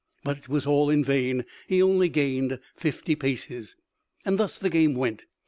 But it was all in vain. He only gained fifty paces. Thus the game went.